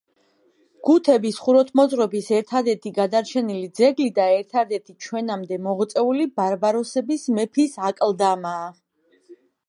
გუთების ხუროთმოძღვრების ერთადერთი გადარჩენილი ძეგლი და ერთადერთი ჩვენამდე მოღწეული ბარბაროსების მეფის აკლდამა.